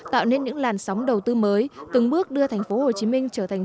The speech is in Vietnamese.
tạo nên những làn sóng đầu tư mới từng bước đưa tp hcm trở thành